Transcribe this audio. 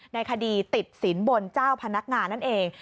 ในคดีติดสินบนเจ้าพนักงานนั่นเอง